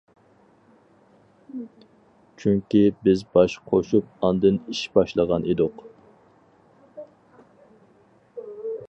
چۈنكى بىز باش قوشۇپ ئاندىن ئىش باشلىغان ئىدۇق.